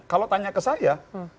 kalau tanya ke saya